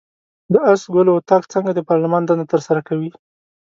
د آس ګلو اطاق څنګه د پارلمان دنده ترسره کوي؟